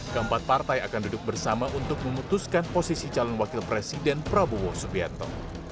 keempat partai akan duduk bersama untuk memutuskan posisi calon wakil presiden prabowo subianto